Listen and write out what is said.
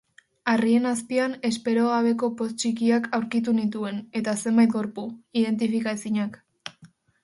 Harrien azpian espero gabeko poz txikiak aurkitu nituen eta zenbait gorpu, identifikaezinak.